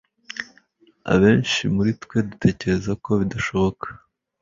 Abenshi muri twe dutekerezako bidashoboka